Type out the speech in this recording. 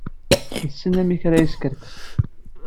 Yessen amek ara yeskerkes.